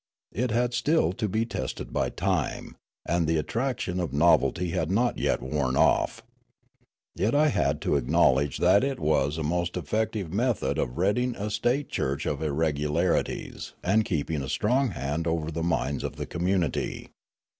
It had still to be tested by time, and the attraction of novelty had not yet worn off. Yet I had to acknowledge that it was a most effective method of ridding a state church of irregularities and keeping a strong hand over the minds of the community.